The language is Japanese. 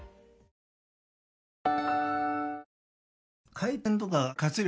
回転とか活力